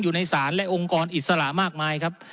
อยู่ในศาลและองค์กรอิสระมากมายครับ